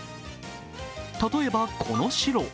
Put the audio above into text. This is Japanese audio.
例えば、この白。